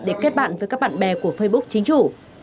để kết bạn với các bạn bè của facebook chính chủ